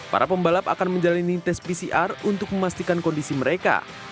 para pembalap akan menjalani tes pcr untuk memastikan kondisi mereka